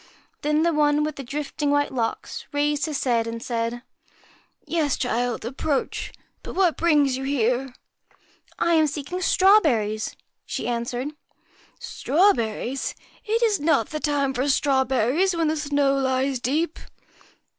Then the one with the drifting white locks raised his head and said 72 'Yes, child, approach. But what brings you here ?' PRETTY I am seeking strawberries,' she answered. MAR ' Strawberries! It is not the time for strawberries USCHKA when the snow lies deep